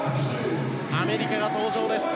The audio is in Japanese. アメリカが登場です。